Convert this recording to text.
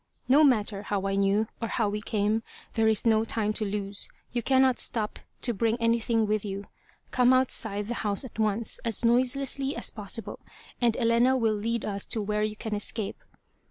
No matter how I knew, or how we came. There is no time to lose. You cannot stop to bring anything with you. Come outside the house at once, as noiselessly as possible, and Elena will lead us to where you can escape."